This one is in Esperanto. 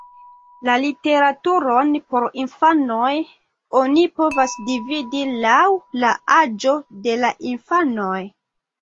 La literaturon por infanoj oni povas dividi laŭ la aĝo de la infanoj.